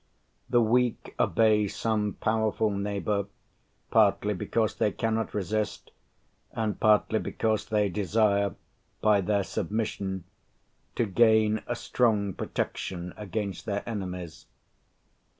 The weak obey some powerful neighbour partly because they cannot resist, and partly because they desire, by their submission, to gain a strong protection against their enemies.